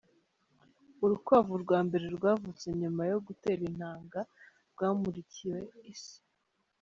Urukwavu rwa mbere rwavutse nyuma yo gutera intanga rwamurikiwe isi.